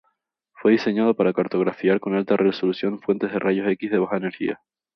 Fue diseñado para cartografiar con alta resolución fuentes de rayos X de baja energía.